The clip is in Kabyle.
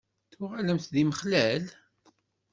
Tuɣalemt d timexlal?